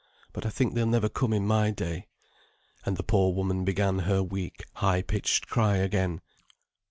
But I think they'll never come in my day;" and the poor woman began her weak high pitched cry again.